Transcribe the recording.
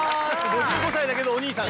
５５歳だけどおにいさん。